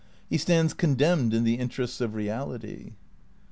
He stands condemned in the interests of Eeality.